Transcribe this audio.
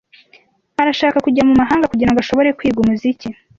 Arashaka kujya mu mahanga kugirango ashobore kwiga umuziki.